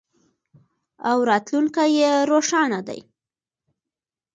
او راتلونکی یې روښانه دی.